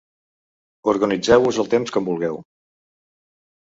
Organitzeu-vos el temps com vulgueu.